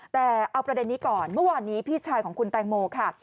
แต่เอาประเด็นนี้ก่อนเมื่อวานนี้พี่ชายของคุณแตงโมค่ะ